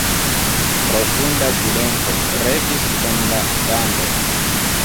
Profunda silento regis en la bando.